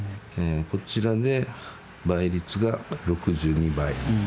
こちらで倍率が６２倍。